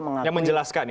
yang menjelaskan ya